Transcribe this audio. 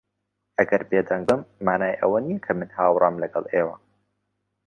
ئەگەر بێدەنگ بم، مانای ئەوە نییە کە من ھاوڕام لەگەڵ ئێوە.